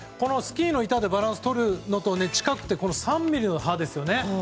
スキーの板でバランスをとるのと近くて３ミリの刃ですよね。